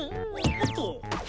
おっと！